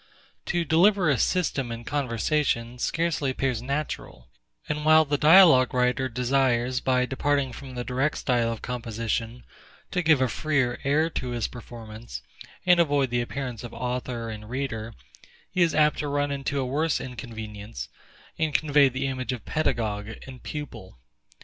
To deliver a SYSTEM in conversation, scarcely appears natural; and while the dialogue writer desires, by departing from the direct style of composition, to give a freer air to his performance, and avoid the appearance of Author and Reader, he is apt to run into a worse inconvenience, and convey the image of Pedagogue and Pupil.